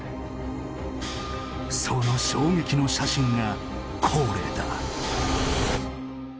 その衝撃の写真がこれだ！